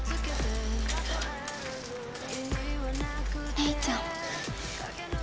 玲ちゃん。